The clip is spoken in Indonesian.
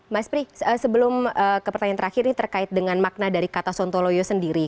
mas pri sebelum ke pertanyaan terakhir ini terkait dengan makna dari kata sontoloyo sendiri